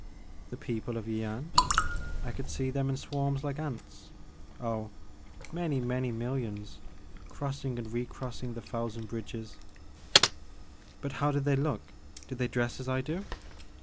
"The people of Yian? I could see them in swarms like ants — oh I many, many millions crossing and recrossing the thousand bridges.'* " But how did they look ? Did they dress as I do?"